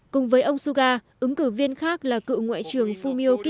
cùng với ông suga ứng cử viên khác là cựu ngoại trưởng fumio kishida